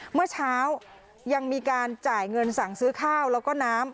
เมื่อเช้ายังมีการจ่ายเงินสั่งซื้อข้าวแล้วก็น้ำ